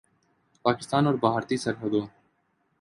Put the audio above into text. پاکستان اور بھارتی سرحدوں